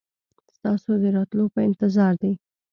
ستاسو د راتلو په انتظار دي.